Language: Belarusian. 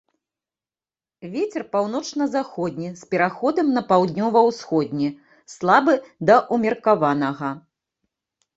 Вецер паўночна-заходні з пераходам на паўднёва-ўсходні слабы да ўмеркаванага.